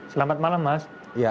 selamat malam mas